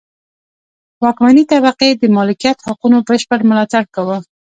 واکمنې طبقې د مالکیت حقونو بشپړ ملاتړ کاوه.